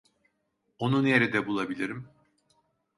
Onu nerede bulabilirim?